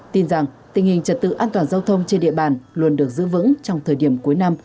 tin rằng tình hình trật tự an toàn giao thông trên địa bàn luôn được giữ vững trong thời điểm cuối năm